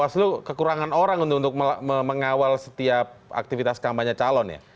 bawaslu kekurangan orang untuk mengawal setiap aktivitas kampanye calon ya